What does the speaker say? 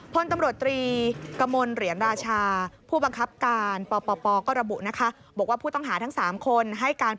พลตำรวจตรีกมลเหรียญราชาผู้บังคับการปปปก็ระบุนะคะ